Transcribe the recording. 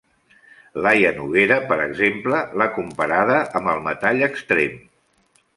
Laia Noguera, per exemple, l'ha comparada amb el metall extrem.